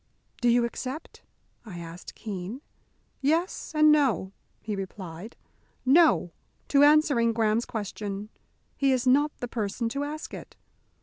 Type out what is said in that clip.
"Do you accept?" I asked Keene. "Yes and no!" he replied. "No! to answering Graham's question. He is not the person to ask it.